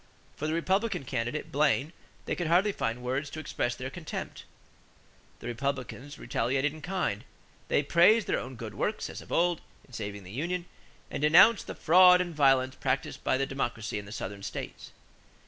For the Republican candidate, Blaine, they could hardly find words to express their contempt. The Republicans retaliated in kind. They praised their own good works, as of old, in saving the union, and denounced the "fraud and violence practiced by the Democracy in the Southern states."